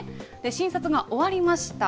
診察が終わりました。